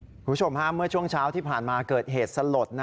คุณผู้ชมเมื่อช่วงเช้าที่ผ่านมาเกิดเหตุสลด